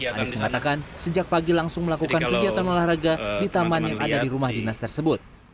anies mengatakan sejak pagi langsung melakukan kegiatan olahraga di taman yang ada di rumah dinas tersebut